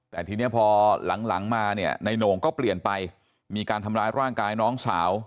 แต่ทีนี้พอหลังมาเนี่ยในโหน่งก็เปลี่ยนไปมีการทำร้ายร่างกายน้องสาว